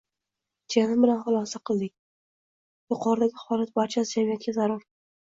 Jiyanim bilan xulosa qildik – yuqoridagi holatlar barchasi jamiyatga zarar: